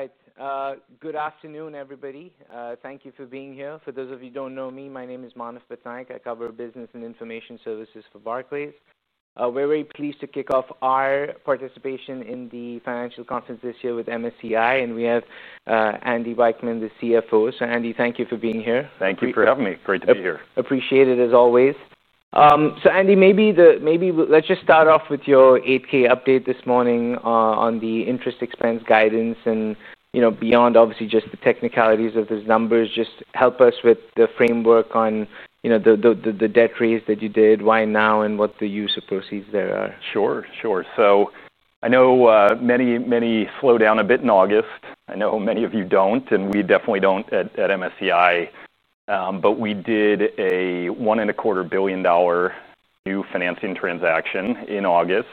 All right. Good afternoon, everybody. Thank you for being here. For those of you who don't know me, my name is Manav Patnaik. I cover business and information services for Barclays. We're very pleased to kick off our participation in the financial conference this year with MSCI, and we have Andy Wiechmann, the CFO. Andy, thank you for being here. Thank you for having me. Great to be here. Appreciate it, as always. Andy, maybe let's just start off with your 8K update this morning on the interest expense guidance and, you know, beyond obviously just the technicalities of those numbers, just help us with the framework on, you know, the debt raise that you did, why now, and what the use of proceeds there are. Sure, sure. I know many, many slowed down a bit in August. I know many of you don't, and we definitely don't at MSCI, but we did a $1.25 billion new financing transaction in August.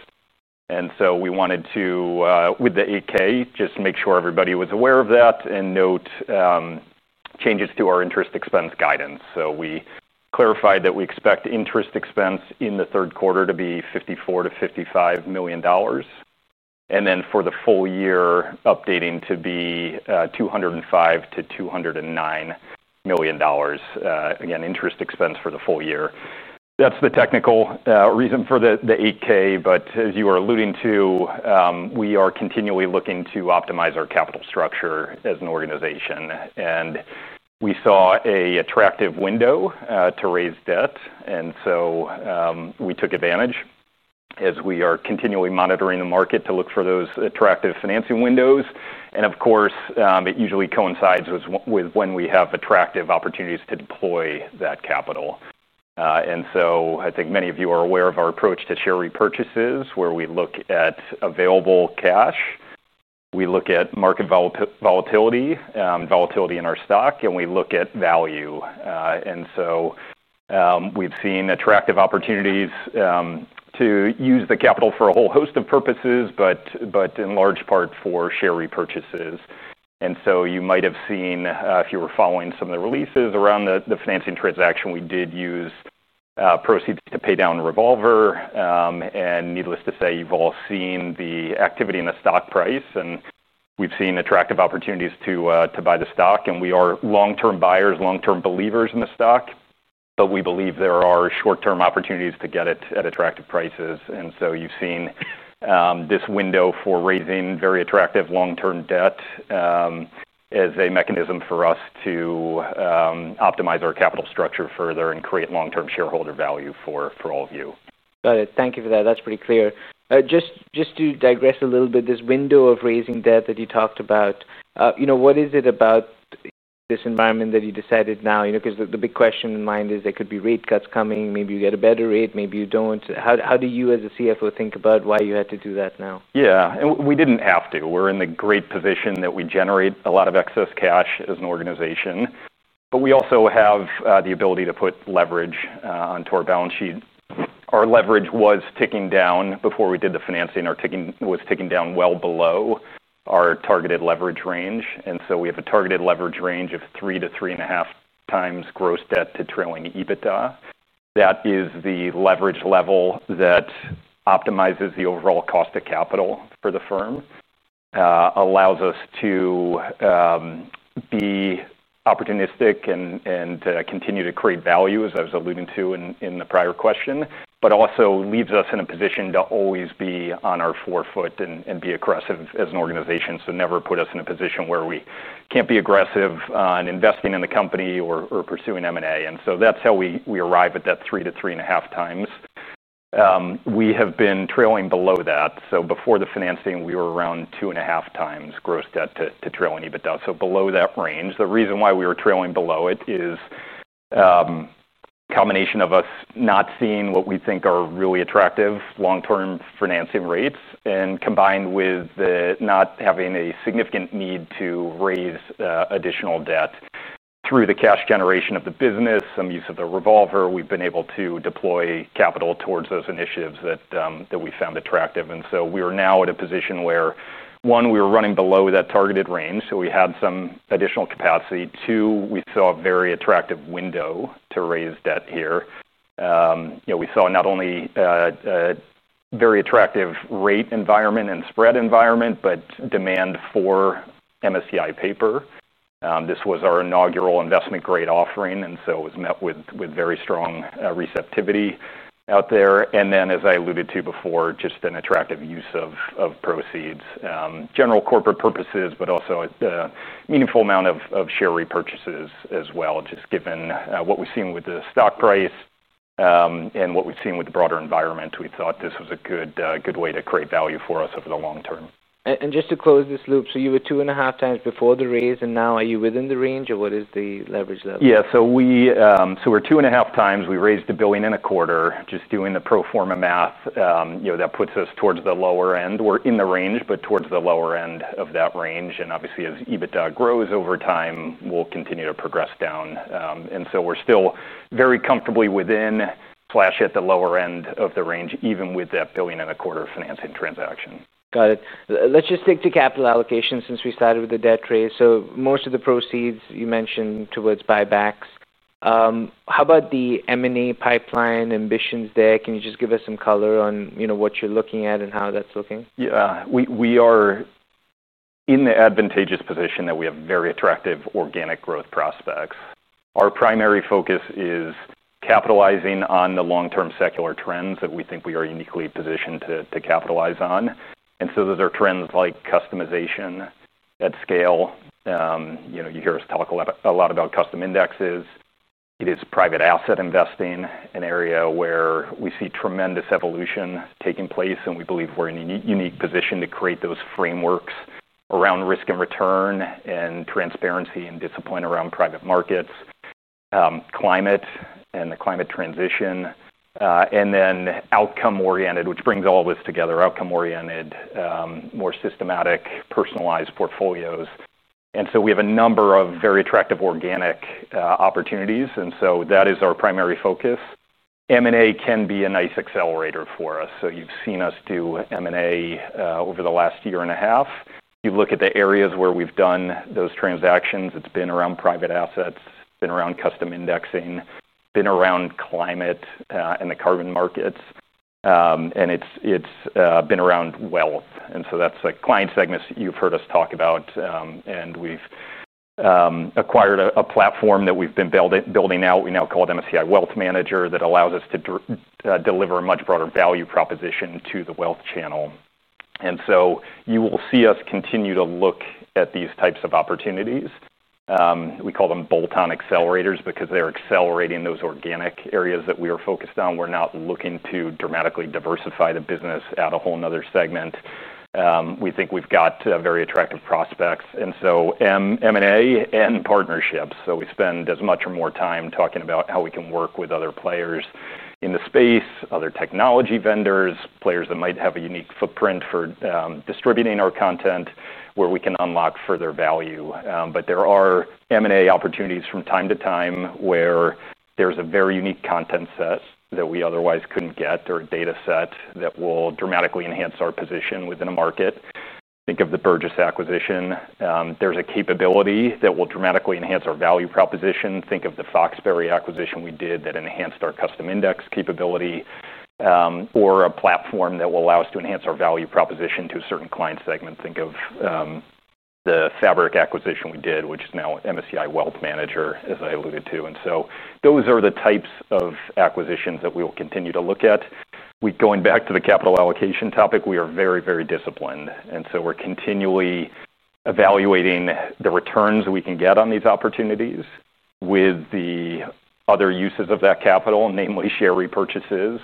We wanted to, with the 8K, just make sure everybody was aware of that and note changes to our interest expense guidance. We clarified that we expect interest expense in the third quarter to be $54 to $55 million, and then for the full year, updating to be $205 to $209 million. Again, interest expense for the full year. That's the technical reason for the 8K. As you were alluding to, we are continually looking to optimize our capital structure as an organization, and we saw an attractive window to raise debt, so we took advantage, as we are continually monitoring the market to look for those attractive financing windows. Of course, it usually coincides with when we have attractive opportunities to deploy that capital. I think many of you are aware of our approach to share repurchases, where we look at available cash, we look at market volatility, volatility in our stock, and we look at value. We've seen attractive opportunities to use the capital for a whole host of purposes, but in large part for share repurchases. You might have seen, if you were following some of the releases around the financing transaction, we did use proceeds to pay down revolver. Needless to say, you've all seen the activity in the stock price, and we've seen attractive opportunities to buy the stock. We are long-term buyers, long-term believers in the stock, but we believe there are short-term opportunities to get it at attractive prices. You've seen this window for raising very attractive long-term debt as a mechanism for us to optimize our capital structure further and create long-term shareholder value for all of you. Got it. Thank you for that. That's pretty clear. Just to digress a little bit, this window of raising debt that you talked about, what is it about this environment that you decided now? The big question in mind is there could be rate cuts coming, maybe you get a better rate, maybe you don't. How do you, as a Chief Financial Officer, think about why you had to do that now? Yeah, and we didn't have to. We're in the great position that we generate a lot of excess cash as an organization, but we also have the ability to put leverage onto our balance sheet. Our leverage was ticking down before we did the financing. It was ticking down well below our targeted leverage range. We have a targeted leverage range of 3 to 3.5 times gross debt to trailing EBITDA. That is the leverage level that optimizes the overall cost of capital for the firm, allows us to be opportunistic and continue to create value, as I was alluding to in the prior question, but also leaves us in a position to always be on our forefoot and be aggressive as an organization. It never puts us in a position where we can't be aggressive on investing in the company or pursuing M&A. That's how we arrive at that 3 to 3.5 times. We have been trailing below that. Before the financing, we were around 2.5 times gross debt to trailing EBITDA, so below that range. The reason why we were trailing below it is a combination of us not seeing what we think are really attractive long-term financing rates and combined with not having a significant need to raise additional debt. Through the cash generation of the business, some use of the revolver, we've been able to deploy capital towards those initiatives that we found attractive. We are now at a position where, one, we were running below that targeted range, so we had some additional capacity. Two, we saw a very attractive window to raise debt here. We saw not only a very attractive rate environment and spread environment, but demand for MSCI paper. This was our inaugural investment-grade offering, and it was met with very strong receptivity out there. Then, as I alluded to before, just an attractive use of proceeds, general corporate purposes, but also a meaningful amount of share repurchases as well, just given what we've seen with the stock price and what we've seen with the broader environment. We thought this was a good way to create value for us over the long term. Just to close this loop, you were 2.5 times before the raise. Now are you within the range, or what is the leverage level? Yeah, so we're 2.5 times. We raised $1.25 billion, just doing the pro forma math. You know, that puts us towards the lower end. We're in the range, but towards the lower end of that range. Obviously, as EBITDA grows over time, we'll continue to progress down. We're still very comfortably within slash at the lower end of the range, even with that $1.25 billion financing transaction. Got it. Let's just stick to capital allocation since we started with the debt raise. Most of the proceeds you mentioned towards buybacks. How about the M&A pipeline ambitions there? Can you just give us some color on what you're looking at and how that's looking? Yeah, we are in the advantageous position that we have very attractive organic growth prospects. Our primary focus is capitalizing on the long-term secular trends that we think we are uniquely positioned to capitalize on. Those are trends like customization at scale. You hear us talk a lot about custom indexes. It is private asset investing, an area where we see tremendous evolution taking place, and we believe we're in a unique position to create those frameworks around risk and return and transparency and discipline around private markets, climate, and the climate transition, and then outcome-oriented, which brings all of this together, outcome-oriented, more systematic, personalized portfolios. We have a number of very attractive organic opportunities, and that is our primary focus. M&A can be a nice accelerator for us. You've seen us do M&A over the last year and a half. You look at the areas where we've done those transactions, it's been around private assets, it's been around custom indexing, it's been around climate and the carbon markets, and it's been around wealth. That is a client segment you've heard us talk about, and we've acquired a platform that we've been building out, we now call it MSCI Wealth Manager, that allows us to deliver a much broader value proposition to the wealth channel. You will see us continue to look at these types of opportunities. We call them bolt-on accelerators because they're accelerating those organic areas that we are focused on. We're not looking to dramatically diversify the business, add a whole other segment. We think we've got very attractive prospects. M&A and partnerships. We spend as much or more time talking about how we can work with other players in the space, other technology vendors, players that might have a unique footprint for distributing our content, where we can unlock further value. There are M&A opportunities from time to time where there's a very unique content set that we otherwise couldn't get, or a data set that will dramatically enhance our position within a market. Think of the Burgiss acquisition. There's a capability that will dramatically enhance our value proposition. Think of the Foxberry acquisition we did that enhanced our custom index capability, or a platform that will allow us to enhance our value proposition to a certain client segment. Think of the Fabric acquisition we did, which is now MSCI Wealth Manager, as I alluded to. Those are the types of acquisitions that we will continue to look at. Going back to the capital allocation topic, we are very, very disciplined. We're continually evaluating the returns we can get on these opportunities with the other uses of that capital, namely share repurchases.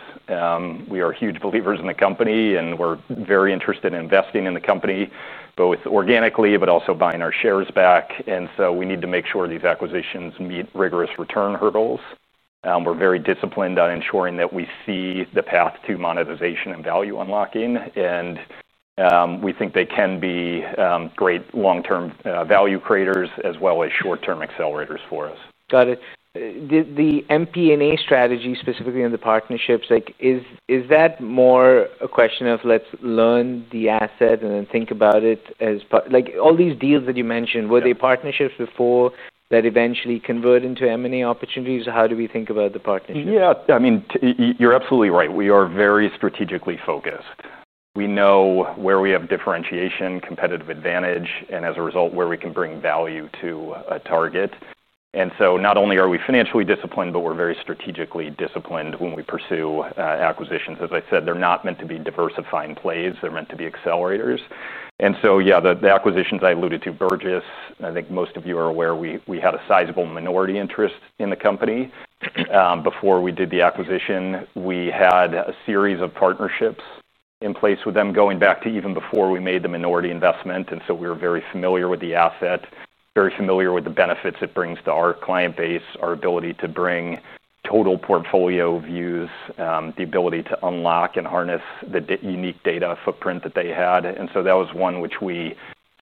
We are huge believers in the company, and we're very interested in investing in the company, both organically, but also buying our shares back. We need to make sure these acquisitions meet rigorous return hurdles. We're very disciplined on ensuring that we see the path to monetization and value unlocking, and we think they can be great long-term value creators as well as short-term accelerators for us. Got it. The M&A strategy, specifically in the partnerships, is that more a question of let's learn the asset and then think about it as part, like all these deals that you mentioned, were they partnerships before that eventually convert into M&A opportunities? How do we think about the partnership? Yeah, I mean, you're absolutely right. We are very strategically focused. We know where we have differentiation, competitive advantage, and as a result, where we can bring value to a target. Not only are we financially disciplined, but we're very strategically disciplined when we pursue acquisitions. As I said, they're not meant to be diversifying plays. They're meant to be accelerators. The acquisitions I alluded to, Burgiss, I think most of you are aware, we had a sizable minority interest in the company before we did the acquisition. We had a series of partnerships in place with them going back to even before we made the minority investment. We were very familiar with the asset, very familiar with the benefits it brings to our client base, our ability to bring total portfolio views, the ability to unlock and harness the unique data footprint that they had. That was one which we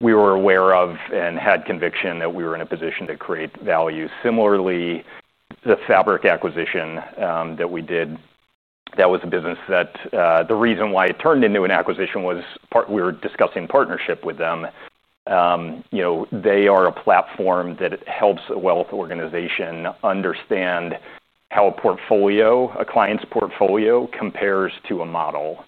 were aware of and had conviction that we were in a position to create value. Similarly, the Fabric acquisition that we did, that was a business that the reason why it turned into an acquisition was in part we were discussing partnership with them. They are a platform that helps a wealth organization understand how a client's portfolio compares to a model.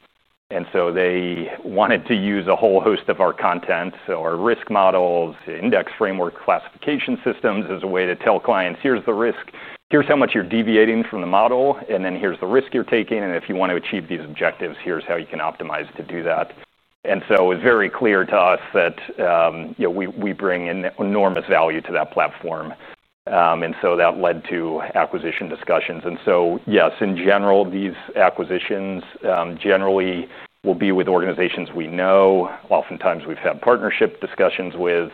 They wanted to use a whole host of our content, so our risk models, index framework classification systems as a way to tell clients, here's the risk, here's how much you're deviating from the model, and then here's the risk you're taking, and if you want to achieve these objectives, here's how you can optimize to do that. It was very clear to us that we bring enormous value to that platform. That led to acquisition discussions. Yes, in general, these acquisitions generally will be with organizations we know, oftentimes we've had partnership discussions with,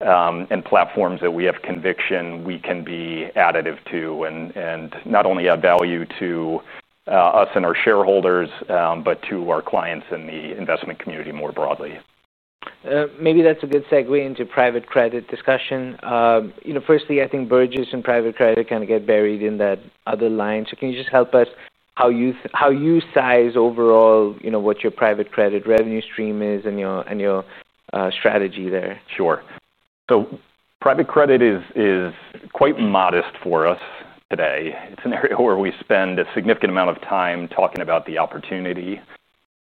and platforms that we have conviction we can be additive to and not only add value to us and our shareholders, but to our clients and the investment community more broadly. Maybe that's a good segue into private credit discussion. Firstly, I think Burgiss and private credit kind of get buried in that other line. Can you just help us how you size overall, you know, what your private credit revenue stream is and your strategy there? Sure. Private credit is quite modest for us today. It's an area where we spend a significant amount of time talking about the opportunity,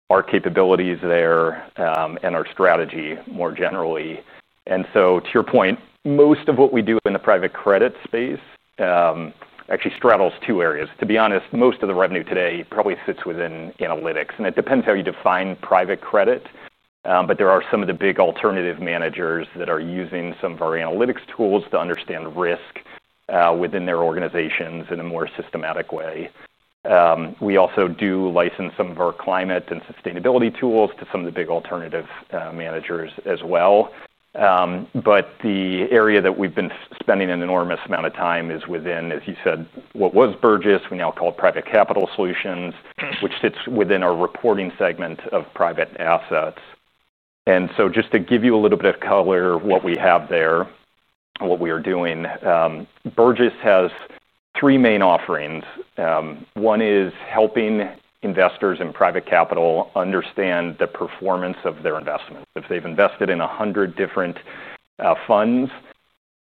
our capabilities there, and our strategy more generally. To your point, most of what we do in the private credit space actually straddles two areas. To be honest, most of the revenue today probably sits within analytics, and it depends how you define private credit, but there are some of the big alternative managers that are using some of our analytics tools to understand risk within their organizations in a more systematic way. We also license some of our climate and sustainability tools to some of the big alternative managers as well. The area that we've been spending an enormous amount of time is within, as you said, what was Burgiss, we now call it Private Capital Solutions, which sits within our reporting segment of private assets. Just to give you a little bit of color of what we have there and what we are doing, Burgiss has three main offerings. One is helping investors in private capital understand the performance of their investments. If they've invested in 100 different funds,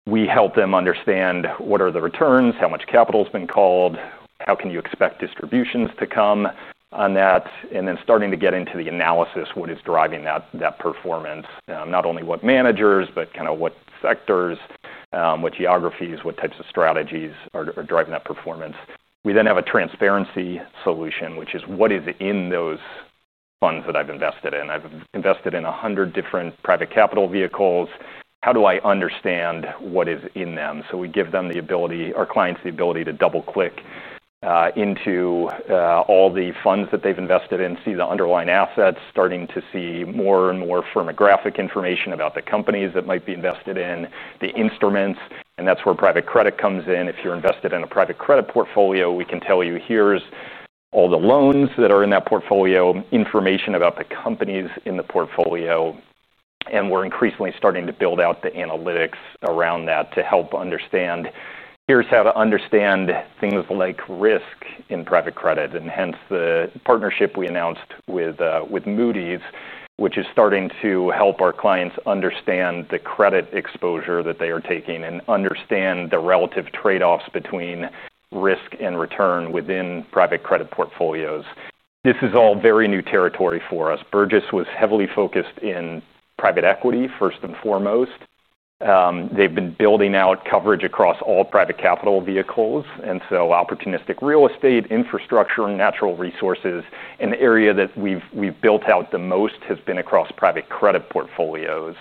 we help them understand what are the returns, how much capital has been called, how you can expect distributions to come on that, and then starting to get into the analysis of what is driving that performance, not only what managers, but kind of what sectors, what geographies, what types of strategies are driving that performance. We then have a transparency solution, which is what is in those funds that I've invested in. I've invested in 100 different private capital vehicles. How do I understand what is in them? We give our clients the ability to double-click into all the funds that they've invested in, see the underlying assets, starting to see more and more firmographic information about the companies that might be invested in, the instruments, and that's where private credit comes in. If you're invested in a private credit portfolio, we can tell you here's all the loans that are in that portfolio, information about the companies in the portfolio, and we're increasingly starting to build out the analytics around that to help understand, here's how to understand things like risk in private credit. The partnership we announced with Moody’s is starting to help our clients understand the credit exposure that they are taking and understand the relative trade-offs between risk and return within private credit portfolios. This is all very new territory for us. Burgiss was heavily focused in private equity, first and foremost. They have been building out coverage across all private capital vehicles, including opportunistic real estate, infrastructure, and natural resources. The area that we have built out the most has been across private credit portfolios.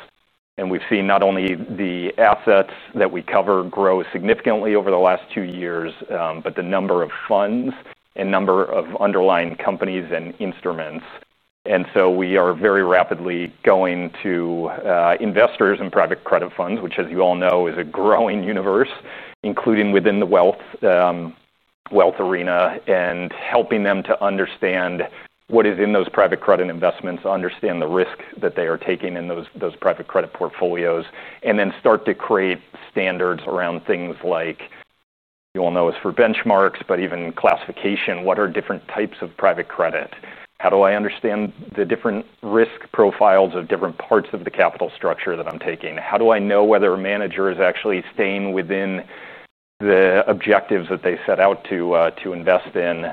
We have seen not only the assets that we cover grow significantly over the last two years, but also the number of funds and number of underlying companies and instruments. We are very rapidly going to investors in private credit funds, which, as you all know, is a growing universe, including within the wealth arena, and helping them to understand what is in those private credit investments, understand the risk that they are taking in those private credit portfolios, and then start to create standards around things like benchmarks, but even classification. What are different types of private credit? How do I understand the different risk profiles of different parts of the capital structure that I am taking? How do I know whether a manager is actually staying within the objectives that they set out to invest in?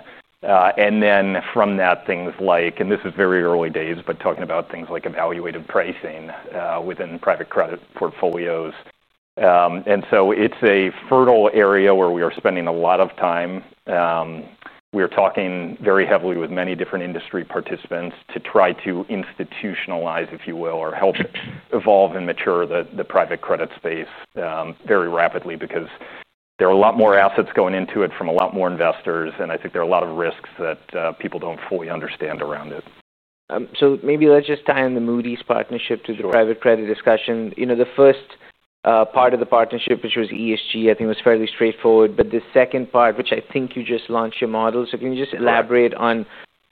From that, things like, and this is very early days, but talking about things like evaluated pricing within private credit portfolios. It is a fertile area where we are spending a lot of time. We are talking very heavily with many different industry participants to try to institutionalize, if you will, or help evolve and mature the private credit space very rapidly because there are a lot more assets going into it from a lot more investors, and I think there are a lot of risks that people do not fully understand around it. Maybe let's just tie in the Moody’s partnership to the private credit discussion. The first part of the partnership, which was ESG, I think was fairly straightforward, but the second part, which I think you just launched your model, can you just elaborate on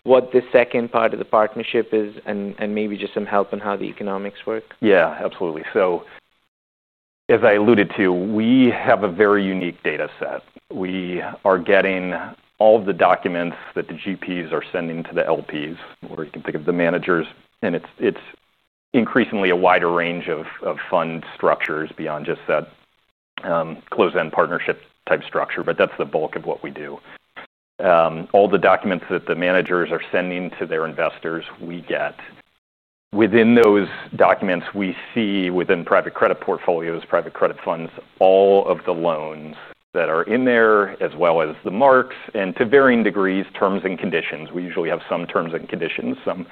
what the second part of the partnership is and maybe just some help in how the economics work? Yeah, absolutely. As I alluded to, we have a very unique data set. We are getting all of the documents that the GPs are sending to the LPs, or you can think of the managers, and it's increasingly a wider range of fund structures beyond just that close-end partnership type structure, but that's the bulk of what we do. All the documents that the managers are sending to their investors, we get. Within those documents, we see within private credit portfolios, private credit funds, all of the loans that are in there, as well as the marks, and to varying degrees, terms and conditions. We usually have some terms and conditions. Some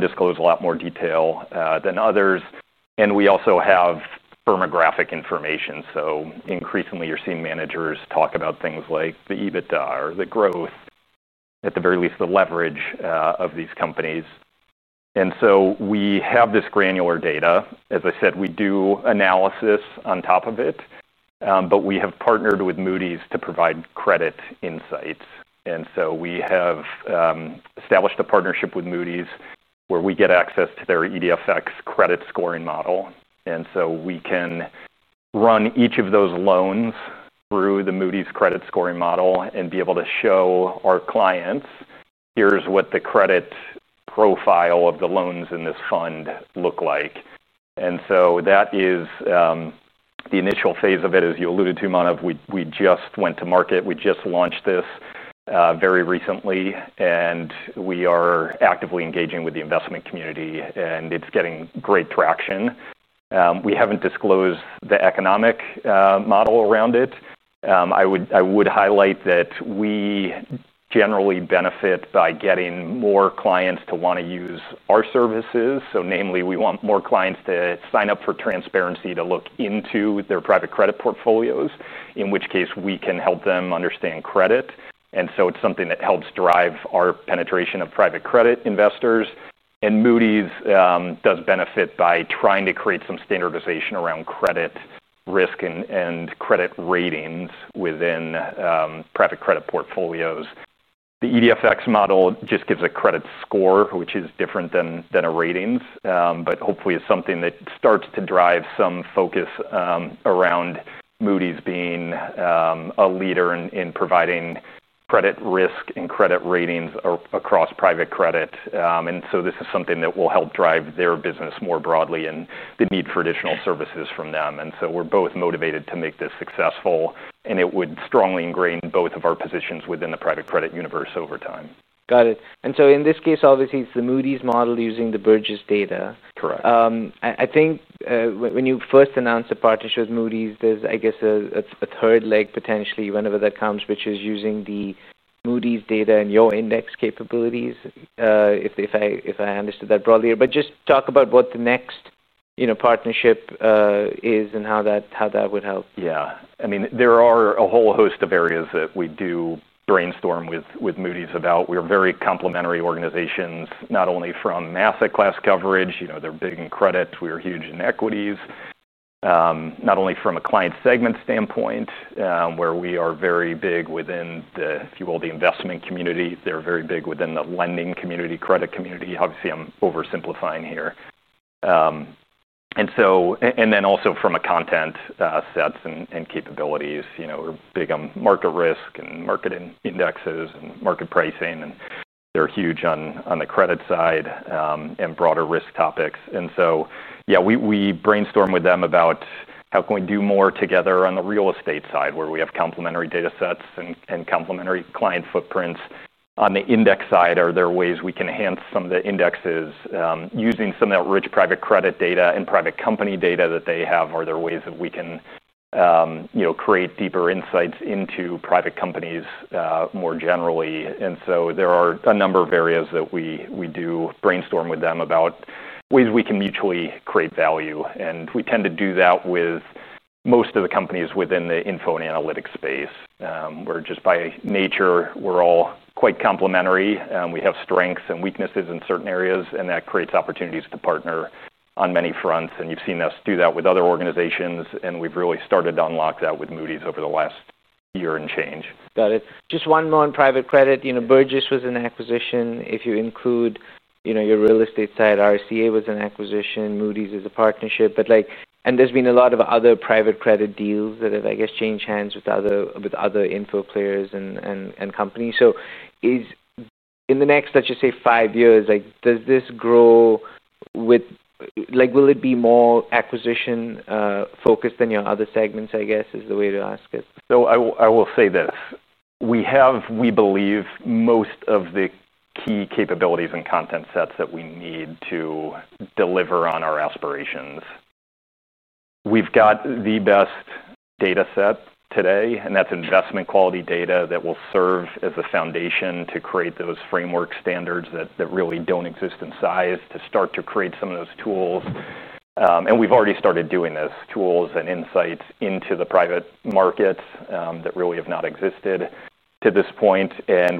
disclose a lot more detail than others. We also have firmographic information. Increasingly, you're seeing managers talk about things like the EBITDA or the growth, at the very least, the leverage of these companies. We have this granular data. As I said, we do analysis on top of it, but we have partnered with Moody’s to provide credit insights. We have established a partnership with Moody’s where we get access to their EDFX credit scoring model. We can run each of those loans through the Moody’s credit scoring model and be able to show our clients, here's what the credit profile of the loans in this fund look like. That is the initial phase of it. As you alluded to, Manav, we just went to market. We just launched this very recently, and we are actively engaging with the investment community, and it's getting great traction. We haven't disclosed the economic model around it. I would highlight that we generally benefit by getting more clients to want to use our services. Namely, we want more clients to sign up for transparency to look into their private credit portfolios, in which case we can help them understand credit. It's something that helps drive our penetration of private credit investors. Moody’s does benefit by trying to create some standardization around credit risk and credit ratings within private credit portfolios. The EDFX model just gives a credit score, which is different than a rating, but hopefully it's something that starts to drive some focus around Moody’s being a leader in providing credit risk and credit ratings across private credit. This is something that will help drive their business more broadly and the need for additional services from them. We're both motivated to make this successful, and it would strongly ingrain both of our positions within the private credit universe over time. Got it. In this case, obviously, it's the Moody’s model using the Burgiss data. Correct. I think when you first announced a partnership with Moody’s, there’s, I guess, a third leg potentially, whenever that comes, which is using the Moody’s data and your index capabilities, if I understood that broadly. Just talk about what the next partnership is and how that would help. Yeah, I mean, there are a whole host of areas that we do brainstorm with Moody’s about. We’re very complementary organizations, not only from asset class coverage, you know, they’re big in credit. We’re huge in equities. Not only from a client segment standpoint, where we are very big within the, if you will, the investment community. They’re very big within the lending community, credit community. Obviously, I’m oversimplifying here. Also, from a content sets and capabilities, you know, we’re big on market risk and market indexes and market pricing, and they’re huge on the credit side and broader risk topics. Yeah, we brainstorm with them about how can we do more together on the real estate side, where we have complementary data sets and complementary client footprints. On the index side, are there ways we can enhance some of the indexes using some of that rich private credit data and private company data that they have? Are there ways that we can, you know, create deeper insights into private companies more generally? There are a number of areas that we do brainstorm with them about ways we can mutually create value. We tend to do that with most of the companies within the info and analytics space, where just by nature, we’re all quite complementary. We have strengths and weaknesses in certain areas, and that creates opportunities to partner on many fronts. You’ve seen us do that with other organizations, and we’ve really started to unlock that with Moody’s over the last year and change. Got it. Just one more on private credit. Burgiss was an acquisition. If you include your real estate side, RSCA was an acquisition. Moody’s is a partnership. There have been a lot of other private credit deals that have changed hands with other info players and companies. In the next, let's just say, five years, does this grow with, like will it be more acquisition-focused than your other segments, I guess, is the way to ask it? I will say this. We have, we believe, most of the key capabilities and content sets that we need to deliver on our aspirations. We've got the best data set today, and that's investment quality data that will serve as a foundation to create those framework standards that really don't exist in size, to start to create some of those tools. We've already started doing this, tools and insights into the private markets that really have not existed to this point.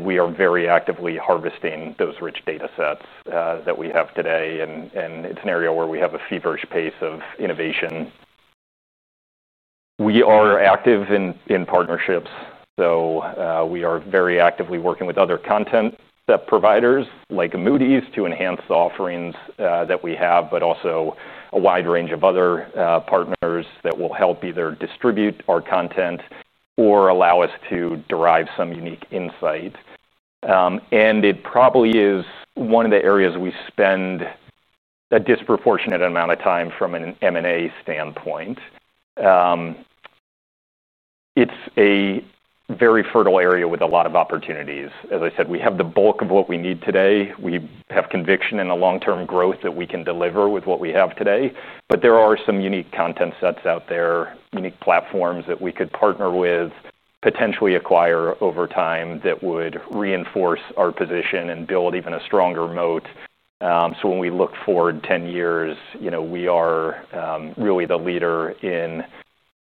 We are very actively harvesting those rich data sets that we have today, and it's an area where we have a feverish pace of innovation. We are active in partnerships. We are very actively working with other content set providers like Moody’s to enhance the offerings that we have, but also a wide range of other partners that will help either distribute our content or allow us to derive some unique insight. It probably is one of the areas we spend a disproportionate amount of time from an M&A standpoint. It's a very fertile area with a lot of opportunities. As I said, we have the bulk of what we need today. We have conviction in the long-term growth that we can deliver with what we have today. There are some unique content sets out there, unique platforms that we could partner with, potentially acquire over time that would reinforce our position and build even a stronger moat. When we look forward 10 years, you know, we are really the leader in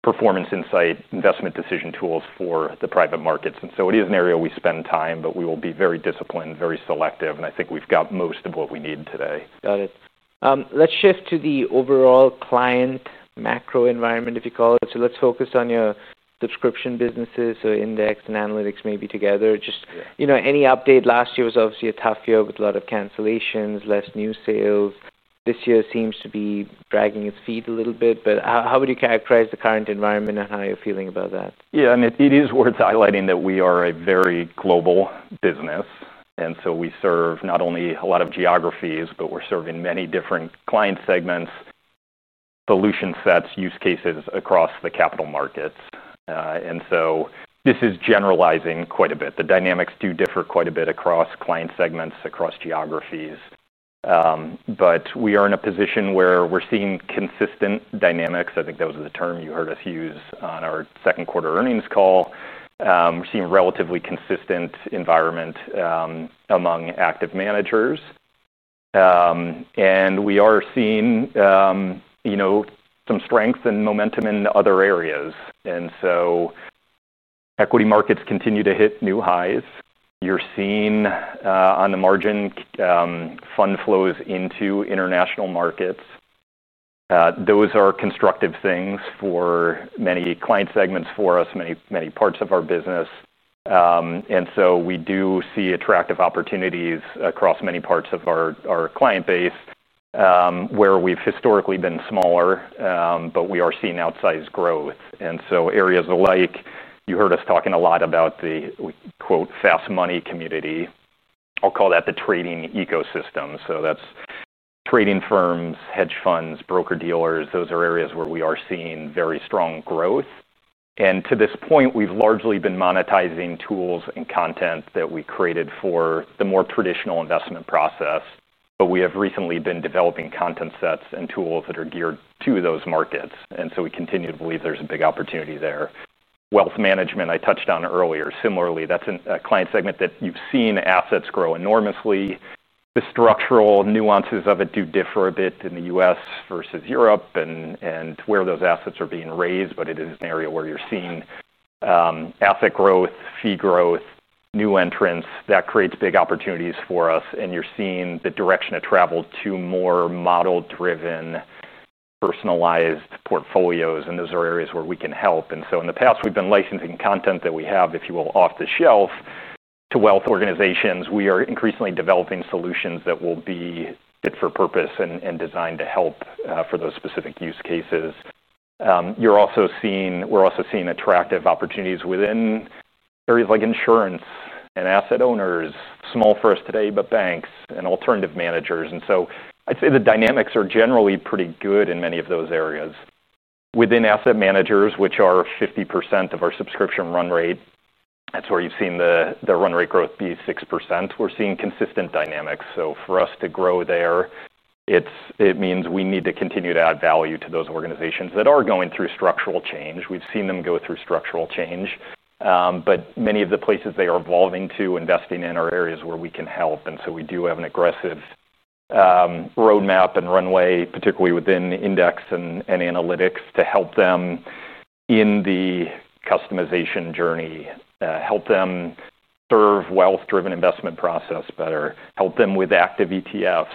performance insight, investment decision tools for the private markets. It is an area we spend time, but we will be very disciplined, very selective, and I think we've got most of what we need today. Got it. Let's shift to the overall client macro environment, if you call it. Let's focus on your subscription businesses, so index and analytics maybe together. Just, you know, any update? Last year was obviously a tough year with a lot of cancellations, less new sales. This year seems to be dragging its feet a little bit, but how would you characterize the current environment and how you're feeling about that? Yeah, I mean, it is worth highlighting that we are a very global business. We serve not only a lot of geographies, but we're serving many different client segments, solution sets, use cases across the capital markets. This is generalizing quite a bit. The dynamics do differ quite a bit across client segments, across geographies. We are in a position where we're seeing consistent dynamics. I think that was the term you heard us use on our second quarter earnings call. We're seeing a relatively consistent environment among active managers. We are seeing some strength and momentum in other areas. Equity markets continue to hit new highs. You're seeing on the margin fund flows into international markets. Those are constructive things for many client segments for us, many parts of our business. We do see attractive opportunities across many parts of our client base, where we've historically been smaller, but we are seeing outsized growth. Areas like, you heard us talking a lot about the, quote, "fast money" community. I'll call that the trading ecosystem. That's trading firms, hedge funds, broker dealers. Those are areas where we are seeing very strong growth. To this point, we've largely been monetizing tools and content that we created for the more traditional investment process. We have recently been developing content sets and tools that are geared to those markets. We continue to believe there's a big opportunity there. Wealth management, I touched on earlier, similarly, that's a client segment that you've seen assets grow enormously. The structural nuances of it do differ a bit in the U.S. versus Europe and where those assets are being raised, but it is an area where you're seeing asset growth, fee growth, new entrants. That creates big opportunities for us. You're seeing the direction of travel to more model-driven, personalized portfolios. Those are areas where we can help. In the past, we've been licensing content that we have, if you will, off the shelf to wealth organizations. We are increasingly developing solutions that will be fit for purpose and designed to help for those specific use cases. You're also seeing, we're also seeing attractive opportunities within areas like insurance and asset owners, small first today, but banks and alternative managers. I'd say the dynamics are generally pretty good in many of those areas. Within asset managers, which are 50% of our subscription run rate, that's where you've seen the run rate growth be 6%. We're seeing consistent dynamics. For us to grow there, it means we need to continue to add value to those organizations that are going through structural change. We've seen them go through structural change. Many of the places they are evolving to investing in are areas where we can help. We do have an aggressive roadmap and runway, particularly within index and analytics, to help them in the customization journey, help them serve wealth-driven investment process better, help them with active ETFs.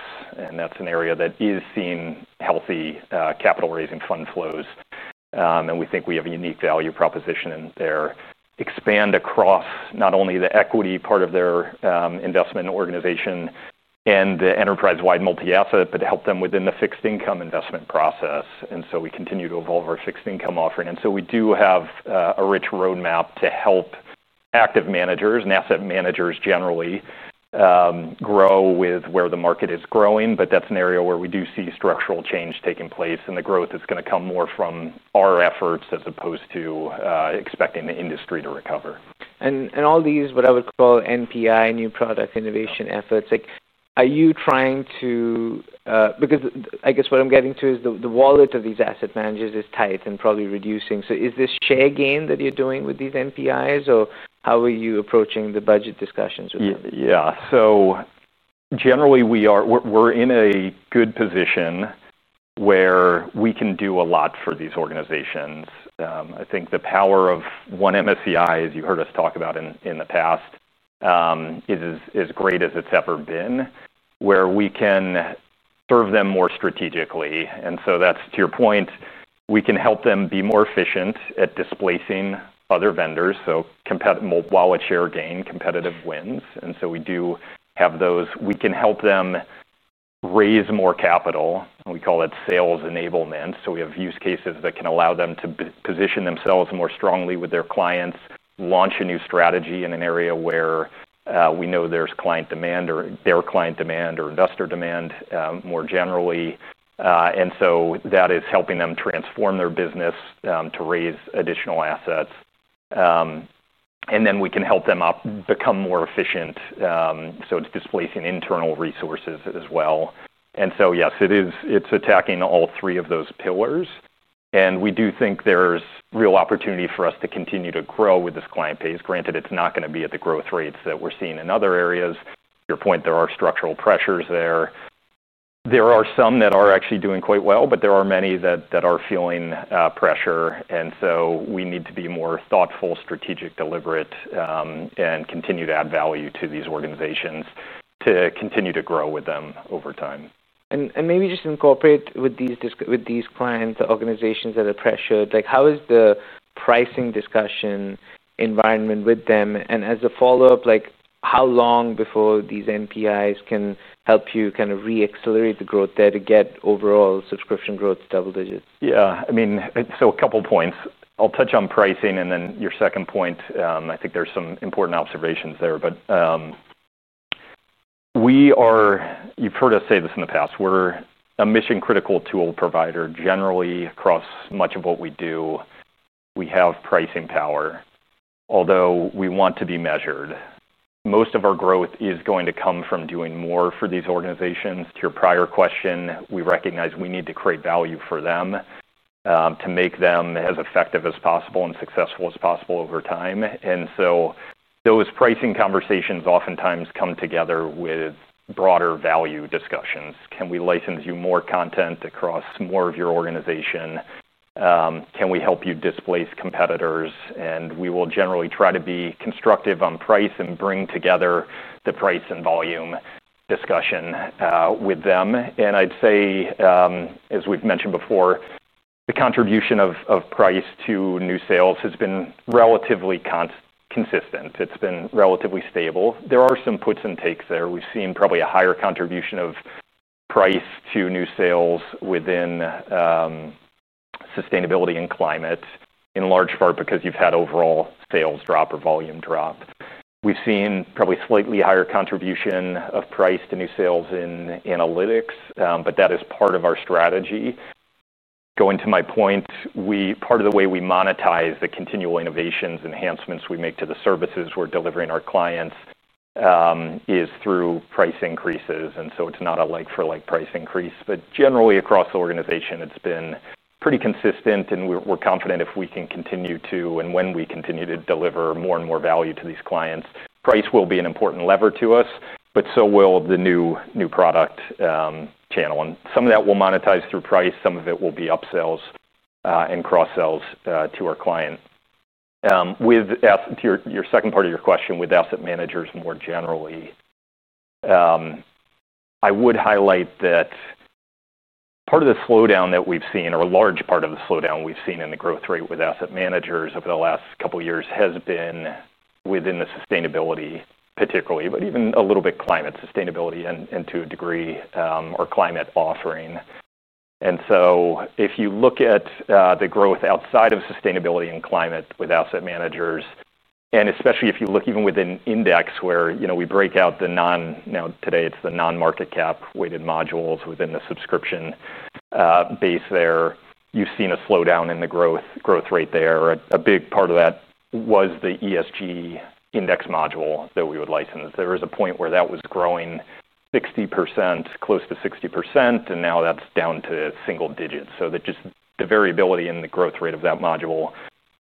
That's an area that is seeing healthy capital raising fund flows. We think we have a unique value proposition in there. Expand across not only the equity part of their investment organization and the enterprise-wide multi-asset, but help them within the fixed income investment process. We continue to evolve our fixed income offering. We do have a rich roadmap to help active managers and asset managers generally grow with where the market is growing. That's an area where we do see structural change taking place, and the growth is going to come more from our efforts as opposed to expecting the industry to recover. All these, what I would call NPI, new product innovation efforts, are you trying to, because I guess what I'm getting to is the wallet of these asset managers is tight and probably reducing. Is this share gain that you're doing with these NPIs, or how are you approaching the budget discussions with them? Yeah, so generally we're in a good position where we can do a lot for these organizations. I think the power of one MSCI, as you heard us talk about in the past, is as great as it's ever been, where we can serve them more strategically. That's, to your point, we can help them be more efficient at displacing other vendors, so wallet share gain, competitive wins. We do have those. We can help them raise more capital, and we call that sales enablement. We have use cases that can allow them to position themselves more strongly with their clients, launch a new strategy in an area where we know there's client demand or their client demand or investor demand more generally. That is helping them transform their business to raise additional assets. We can help them become more efficient, so it's displacing internal resources as well. Yes, it is, it's attacking all three of those pillars. We do think there's real opportunity for us to continue to grow with this client base. Granted, it's not going to be at the growth rates that we're seeing in other areas. To your point, there are structural pressures there. There are some that are actually doing quite well, but there are many that are feeling pressure. We need to be more thoughtful, strategic, deliberate, and continue to add value to these organizations to continue to grow with them over time. Maybe just incorporate with these clients or organizations that are pressured, like how is the pricing discussion environment with them? As a follow-up, how long before these NPIs can help you kind of re-accelerate the growth there to get overall subscription growth to double digits? Yeah, I mean, so a couple points. I'll touch on pricing and then your second point. I think there's some important observations there. We are, you've heard us say this in the past, we're a mission-critical tool provider generally across much of what we do. We have pricing power, although we want to be measured. Most of our growth is going to come from doing more for these organizations. To your prior question, we recognize we need to create value for them to make them as effective as possible and successful as possible over time. Those pricing conversations oftentimes come together with broader value discussions. Can we license you more content across more of your organization? Can we help you displace competitors? We will generally try to be constructive on price and bring together the price and volume discussion with them. I'd say, as we've mentioned before, the contribution of price to new sales has been relatively consistent. It's been relatively stable. There are some puts and takes there. We've seen probably a higher contribution of price to new sales within sustainability and climate, in large part because you've had overall sales drop or volume drop. We've seen probably slightly higher contribution of price to new sales in analytics, but that is part of our strategy. Going to my point, part of the way we monetize the continual innovations, enhancements we make to the services we're delivering to our clients is through price increases. It's not a like-for-like price increase, but generally across the organization, it's been pretty consistent, and we're confident if we can continue to, and when we continue to deliver more and more value to these clients, price will be an important lever to us, but so will the new product channel. Some of that will monetize through price. Some of it will be upsells and cross-sells to our client. With your second part of your question, with asset managers more generally, I would highlight that part of the slowdown that we've seen, or a large part of the slowdown we've seen in the growth rate with asset managers over the last couple of years has been within the sustainability particularly, but even a little bit climate sustainability and to a degree our climate offering. If you look at the growth outside of sustainability and climate with asset managers, and especially if you look even with an index where, you know, we break out the non, now today it's the non-market cap weighted modules within the subscription base there, you've seen a slowdown in the growth rate there. A big part of that was the ESG index module that we would license. There was a point where that was growing 60%, close to 60%, and now that's down to single digits. Just the variability in the growth rate of that module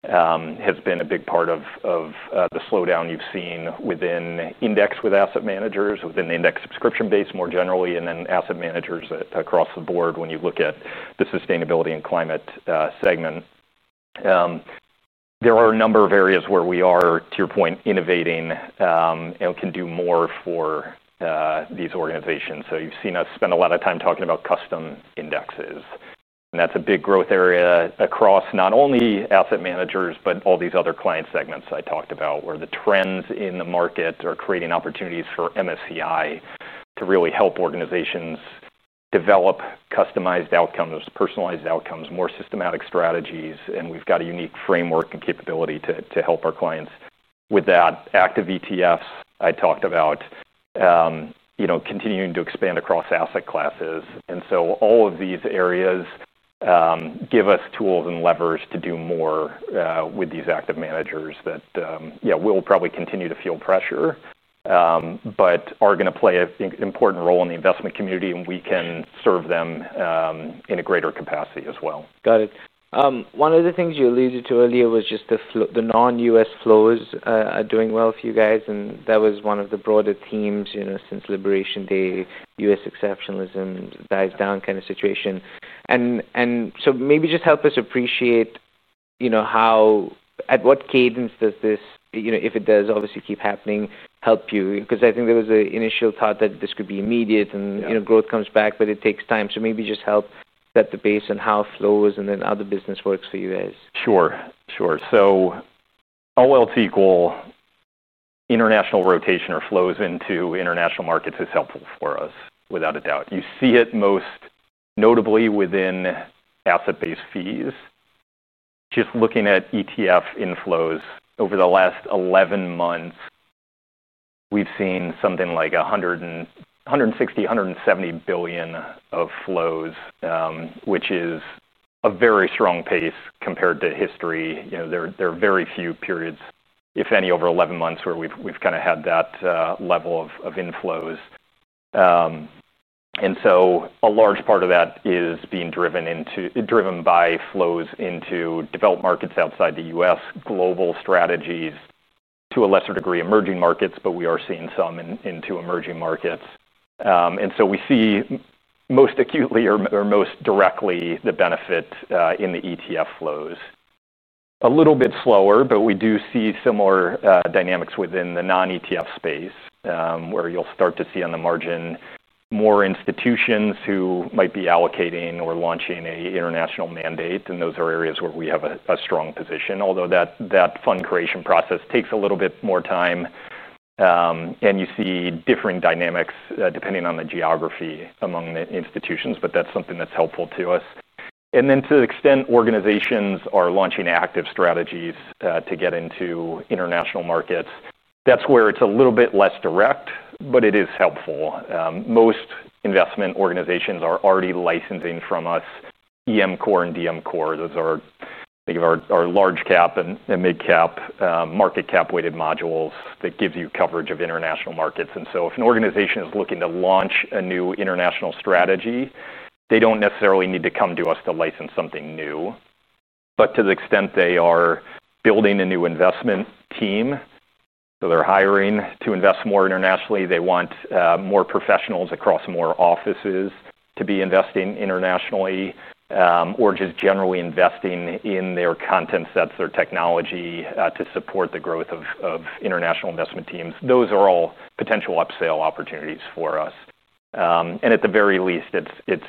has been a big part of the slowdown you've seen within index with asset managers, within the index subscription base more generally, and then asset managers across the board when you look at the sustainability and climate segment. There are a number of areas where we are, to your point, innovating and can do more for these organizations. You've seen us spend a lot of time talking about custom indexes. That's a big growth area across not only asset managers, but all these other client segments I talked about, where the trends in the market are creating opportunities for MSCI to really help organizations develop customized outcomes, personalized outcomes, more systematic strategies, and we've got a unique framework and capability to help our clients with that. Active ETFs I talked about, you know, continuing to expand across asset classes. All of these areas give us tools and levers to do more with these active managers that, yeah, will probably continue to feel pressure, but are going to play an important role in the investment community, and we can serve them in a greater capacity as well. Got it. One of the things you alluded to earlier was just the non-U.S. flows are doing well for you guys, and that was one of the broader themes, you know, since Liberation Day, U.S. exceptionalism, the guys down kind of situation. Maybe just help us appreciate, you know, how, at what cadence does this, you know, if it does obviously keep happening, help you? I think there was an initial thought that this could be immediate and, you know, growth comes back, but it takes time. Maybe just help set the pace on how flows and then other business works for you guys. Sure. So, international rotation or flows into international markets is helpful for us, without a doubt. You see it most notably within asset-based fees. Just looking at ETF inflows over the last 11 months, we've seen something like $160 billion, $170 billion of flows, which is a very strong pace compared to history. There are very few periods, if any, over 11 months where we've had that level of inflows. A large part of that is being driven by flows into developed markets outside the U.S., global strategies, to a lesser degree emerging markets, but we are seeing some into emerging markets. We see most acutely or most directly the benefit in the ETF flows. A little bit slower, but we do see similar dynamics within the non-ETF space, where you'll start to see on the margin more institutions who might be allocating or launching an international mandate, and those are areas where we have a strong position, although that fund creation process takes a little bit more time. You see differing dynamics depending on the geography among the institutions, but that's something that's helpful to us. To the extent organizations are launching active strategies to get into international markets, that's where it's a little bit less direct, but it is helpful. Most investment organizations are already licensing from us EMCOR and DMCOR. Those are, I think, our large cap and mid cap market cap weighted modules that give you coverage of international markets. If an organization is looking to launch a new international strategy, they don't necessarily need to come to us to license something new. To the extent they are building a new investment team, so they're hiring to invest more internationally, they want more professionals across more offices to be investing internationally, or just generally investing in their content sets, their technology to support the growth of international investment teams, those are all potential upsell opportunities for us. At the very least, it's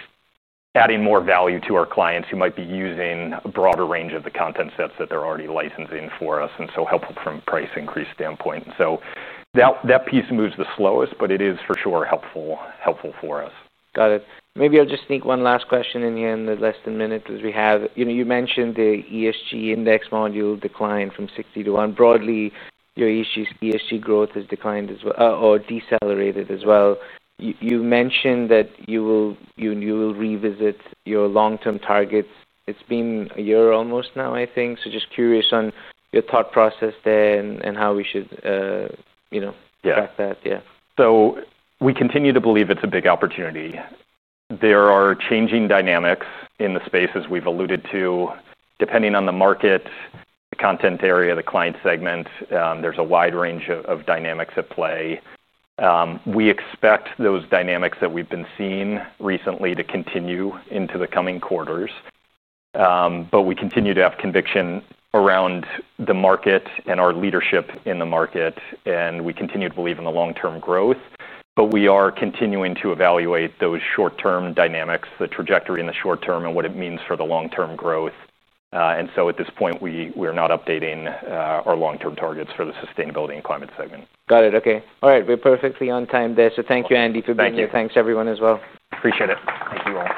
adding more value to our clients who might be using a broader range of the content sets that they're already licensing from us, and so helpful from a price increase standpoint. That piece moves the slowest, but it is for sure helpful for us. Got it. Maybe I'll just sneak one last question in here at the end of the less than a minute because you mentioned the ESG index module declined from 60 to 1. Broadly, your ESG growth has declined as well, or decelerated as well. You mentioned that you will revisit your long-term targets. It's been a year almost now, I think. Just curious on your thought process there and how we should, you know, affect that. Yeah. We continue to believe it's a big opportunity. There are changing dynamics in the space, as we've alluded to, depending on the market, the content area, the client segment. There's a wide range of dynamics at play. We expect those dynamics that we've been seeing recently to continue into the coming quarters. We continue to have conviction around the market and our leadership in the market, and we continue to believe in the long-term growth. We are continuing to evaluate those short-term dynamics, the trajectory in the short term, and what it means for the long-term growth. At this point, we are not updating our long-term targets for the sustainability and climate segment. Got it. Okay. All right. We're perfectly on time there. Thank you, Andy, for being here. Thanks, everyone as well. Appreciate it. Thank you all.